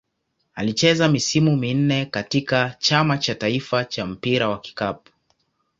Alicheza misimu minne katika Chama cha taifa cha mpira wa kikapu.